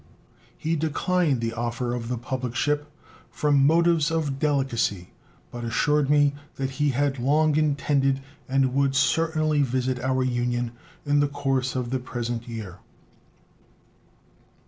He declined the offer of the public ship from motives of delicacy, but assured me that he had long intended and would certainly visit our Union in the course of the present year.